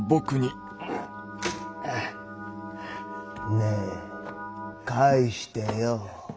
ねぇ返してよッ。